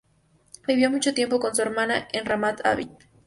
Vivió mucho tiempo con su hermana en Ramat Aviv.